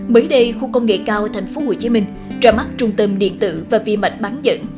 mới đây khu công nghệ cao tp hcm ra mắt trung tâm điện tử và vi mạch bán dẫn